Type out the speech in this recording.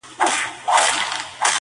راځه جهاني جوړ سو د پردېسو اوښکو کلی!